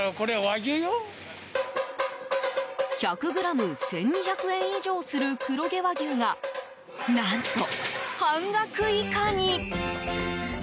１００ｇ１２００円以上する黒毛和牛が、何と半額以下に。